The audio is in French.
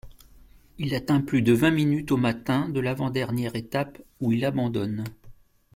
Il atteint plus de vingt minutes au matin de l'avant-dernière étape où il abandonne.